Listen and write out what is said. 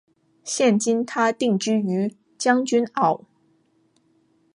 现今她定居于将军澳。